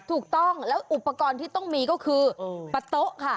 ถูกต้องแล้วอุปกรณ์ที่ต้องมีก็คือปะโต๊ะค่ะ